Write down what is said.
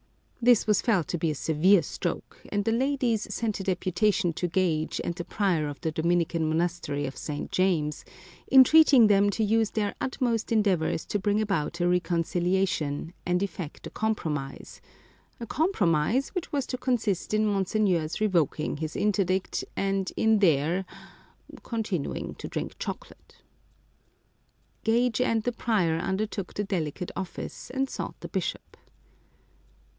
This was felt to be a severe stroke, and the ladies sent a deputation to Gage and the prior of the Dominican monastery of St. James, entreating them to use their utmost endeavours to bring about a reconciliation, and effect a compromise, a compromise which was to consist in Monseignor's revoking his interdict, and in their — continuing to drink chocolate. T 273 Curiosities of Olden Times Gage and the prior undertook the delicate office, and sought the bishop.